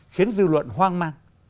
khiến dư luận hoang mang